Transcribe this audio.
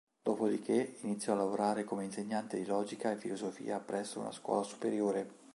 Dopodiché, iniziò a lavorare come insegnante di logica e filosofia presso una scuola superiore.